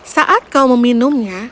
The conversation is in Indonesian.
saat kau meminumnya